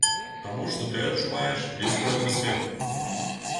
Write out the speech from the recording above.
Таму што ты адчуваеш блізкую атмасферу.